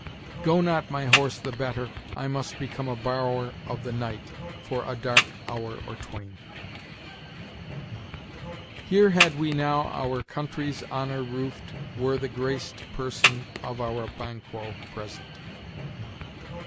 "'Go not my horse the better, I must become a borrower of the night For a dark hour or twain.' "'Here had we now our country's honor roof'd Were the graced person of our Banquo present.'